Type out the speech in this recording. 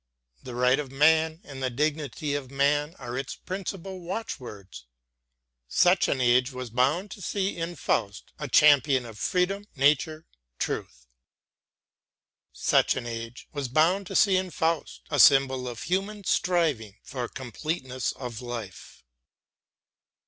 The right of man and the dignity of man are its principal watchwords. Such an age was bound to see in Faust a champion of freedom, nature, truth. Such an age was bound to see in Faust a symbol of human striving for completeness of life.